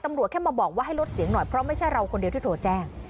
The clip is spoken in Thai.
แค่มาบอกว่าให้ลดเสียงหน่อยเพราะไม่ใช่เราคนเดียวที่โทรแจ้ง